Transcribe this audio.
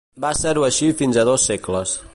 Va ser-ho així fins a dos segles.